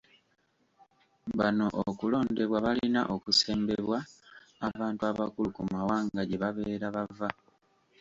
Bano okulondebwa balina okusembebwa abantu abakulu mu mawanga gye babeera bava.